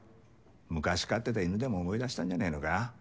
昔飼ってた犬でも思い出したんじゃねぇのか。